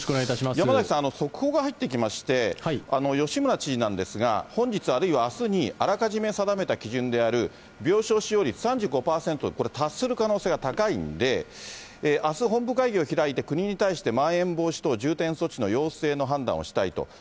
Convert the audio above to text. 山崎さん、速報が入ってきまして、吉村知事なんですが、本日、あるいはあすにあらかじめ定めた基準である、病床使用率３５％、これ達する可能性が高いんで、あす本部会議を開いて、国に対して、まん延防止等重点措置の要請の判断をしたいと。